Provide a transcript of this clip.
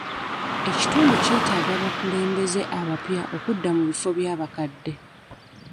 Ekitundu kyetaaga abakulembeze abapya okudda mu bifo by'abakadde.